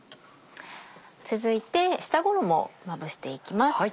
続いて下衣をまぶしていきます。